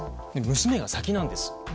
娘が先なんです。